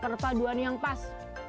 kepaduan yang pas